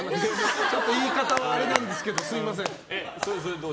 ちょっと言い方はあれなんですけどすみません。